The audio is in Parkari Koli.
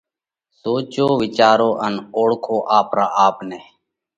سوچو وِيچارو ان اوۯکو آپرا آپ نئہ!